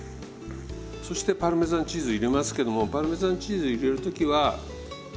そしてパルメザンチーズ入れますけどもパルメザンチーズ入れる時は火を止めましょう。